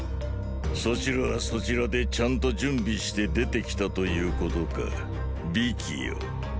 そちらはそちらでちゃんと準備して出て来たということか美姫よ。